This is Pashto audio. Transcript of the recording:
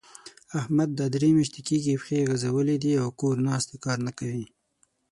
احمد دا درې مياشتې کېږي؛ پښې غځولې دي او کور ناست؛ کار نه کوي.